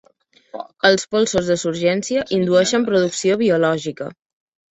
Els polsos de surgència indueixen producció biològica.